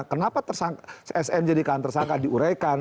kenapa sni jadikan tersangka diurekan